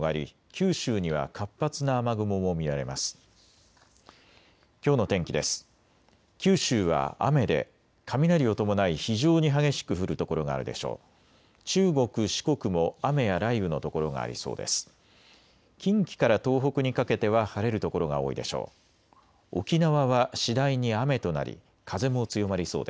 九州は雨で雷を伴い非常に激しく降る所があるでしょう。